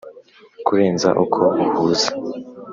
kurenza uko uhuza